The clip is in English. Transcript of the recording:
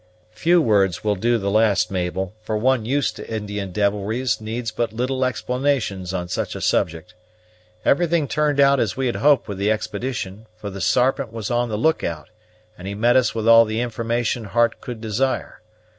"Few words will do the last, Mabel; for one used to Indian devilries needs but little explanations on such a subject. Everything turned out as we had hoped with the expedition; for the Sarpent was on the look out, and he met us with all the information heart could desire.